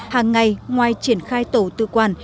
hàng ngày ngoài triển khai tổ tư quan